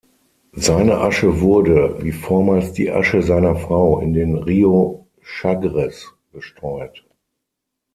Seine Asche wurde, wie vormals die Asche seiner Frau, in den Río Chagres gestreut.